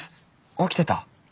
起きてた？